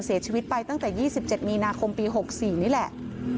เสียชีวิตไปตั้งแต่ยี่สิบเจ็ดมีนาคมปีหกสี่นี่แหละ